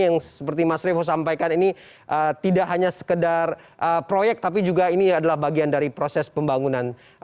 yang seperti mas revo sampaikan ini tidak hanya sekedar proyek tapi juga ini adalah bagian dari proses pembangunan